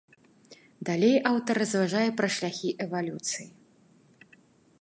Далей аўтар разважае пра шляхі эвалюцыі.